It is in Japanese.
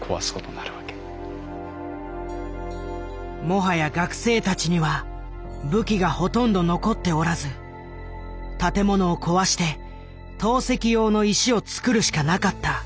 もはや学生たちには武器がほとんど残っておらず建物を壊して投石用の石を作るしかなかった。